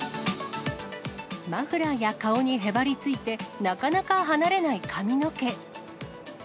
マフラーや顔にへばりついて、なかなか離れない髪の毛。